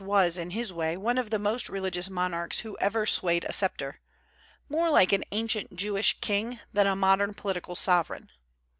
was, in his way, one of the most religious monarchs who ever swayed a sceptre, more like an ancient Jewish king than a modern political sovereign.